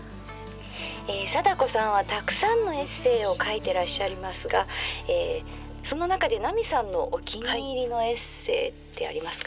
「貞子さんはたくさんのエッセーを書いてらっしゃりますがその中で奈美さんのお気に入りのエッセーってありますか？」。